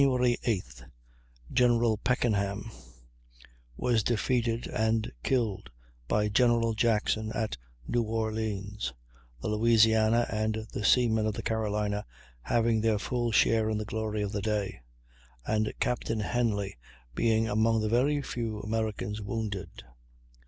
8th General Packenham was defeated and killed by General Jackson at New Orleans, the Louisiana and the seamen of the Carolina having their full share in the glory of the day, and Captain Henly being among the very few American wounded.